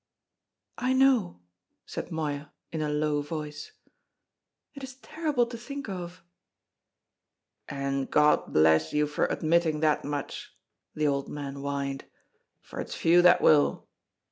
"I know," said Moya in a low voice. "It is terrible to think of!" "And God bless you for admitting that much," the old man whined, "for it's few that will.